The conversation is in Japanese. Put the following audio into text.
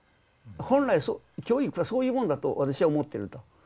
本来教育はそういうものだと私は思ってると。